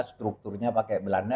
strukturnya pakai belanda